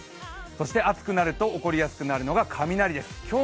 そして暑くなると起こりやすくなるのが雷です。